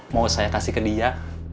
mau saya kasih ke dia